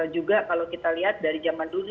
juga kalau kita lihat dari zaman dulu